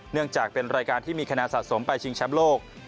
เนื่องจากเป็นรายการที่มีคะแนนสะสมไปชิงแชมป์โลก